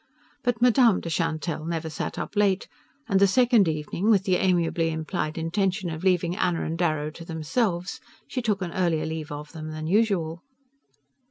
But Madame de Chantelle never sat up late, and the second evening, with the amiably implied intention of leaving Anna and Darrow to themselves, she took an earlier leave of them than usual.